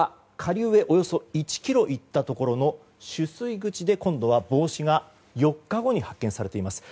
江戸川、下流へ１ｋｍ行ったところの取水口で今度は帽子が４日後に発見されています。